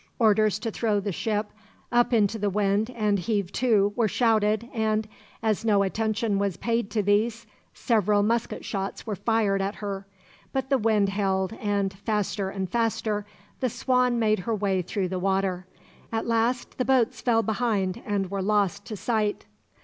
Orders to throw the ship up into the wind and heave to were shouted and, as no attention was paid to these, several musket shots were fired at her; but the wind held and, faster and faster, the Swan made her way through the water. At last the boats fell behind, and were lost to sight.